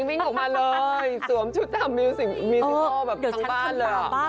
วิ่งออกมาเลยสวมชุดทำมิวซิกอลแบบทั้งบ้านเลย